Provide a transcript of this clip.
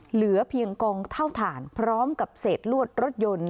เหลือเพียงกองเท่าฐานพร้อมกับเศษลวดรถยนต์